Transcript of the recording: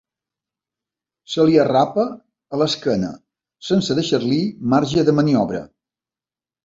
Se li arrapa a l'esquena, sense deixar-li marge de maniobra.